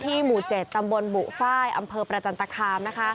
ที่หมู่๗ตำบลบุฟ้ายอำเภอประจัยนตะคาม